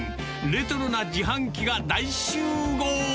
レトロな自販機が大集合。